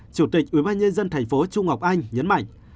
chủ tịch ubnd tp chu ngọc anh nhấn mạnh